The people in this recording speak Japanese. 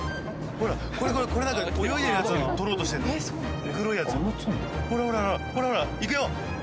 ほらっこれこれこれだから泳いでるやつ捕ろうとしてんの黒いやつほらほら行くよ！